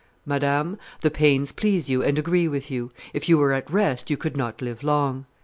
"Madame, the pains please you and agree with you; if you were at rest you could not live long."